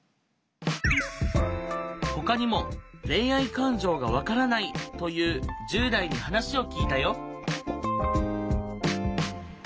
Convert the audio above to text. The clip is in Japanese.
ほかにも「“恋愛感情”がわからない」という１０代に話を聞いたよ。